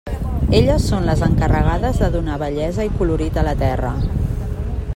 Elles són les encarregades de donar bellesa i colorit a la terra.